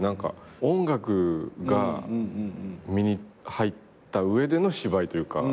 音楽が身に入った上での芝居というか。